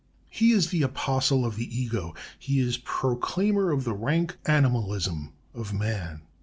He is the apostle of the ego.... He is a proclaimer of the rank animalism of man.